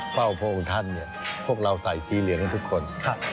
พระองค์ท่านพวกเราใส่สีเหลืองให้ทุกคน